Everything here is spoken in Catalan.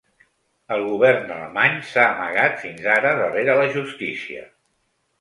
El govern alemany s’ha amagat fins ara darrere la justícia.